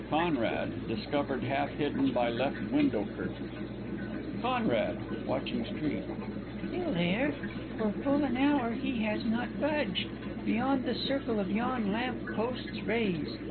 _ CONRAD discovered half hidden by left window curtain. Conrad (watching street). Still there! For full an hour he has not budged Beyond the circle of yon lamp post's rays!